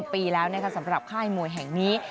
ปีแล้วสำหรับค่ายมวยแห่งนี้